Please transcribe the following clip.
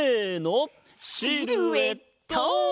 シルエット！